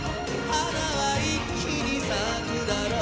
華は一気に咲くだろう